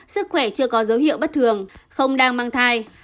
sức khỏe chưa có dấu hiệu bất thường không đang mang thai